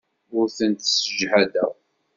Ur tent-ssejhadeɣ.